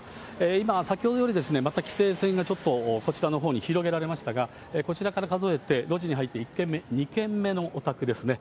今、先ほどよりまた規制線がちょっとこちらのほうに広げられましたが、こちらから数えて、路地に入って、１軒目、２軒目のお宅ですね。